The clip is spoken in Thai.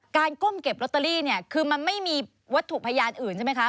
ก้มเก็บลอตเตอรี่เนี่ยคือมันไม่มีวัตถุพยานอื่นใช่ไหมคะ